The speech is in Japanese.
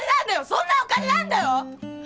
そんなお金なんだよ！